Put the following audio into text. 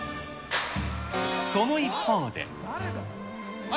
その一方で。